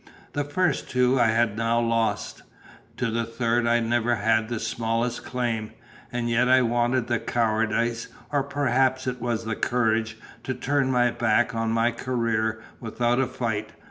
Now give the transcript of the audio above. The first two I had now lost; to the third I never had the smallest claim; and yet I wanted the cowardice (or perhaps it was the courage) to turn my back on my career without a fight.